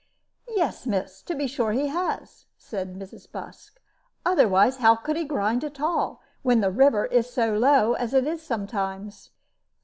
"Yes, miss, to be sure he has," said Mrs. Busk; "otherwise how could he grind at all, when the river is so low as it is sometimes?"